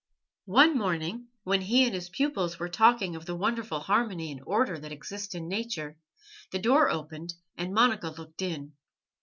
One morning, when he and his pupils were talking of the wonderful harmony and order that exist in nature, the door opened and Monica looked in.